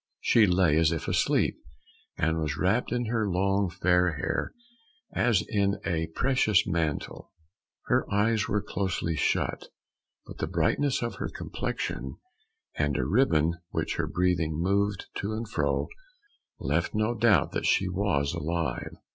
She lay as if asleep, and was wrapped in her long fair hair as in a precious mantle. Her eyes were closely shut, but the brightness of her complexion and a ribbon which her breathing moved to and fro, left no doubt that she was alive.